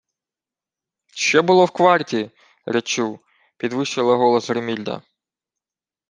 — Що було в кварті, речу? — підвищила голос Гримільда.